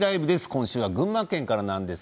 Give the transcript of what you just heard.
今週は群馬県からです。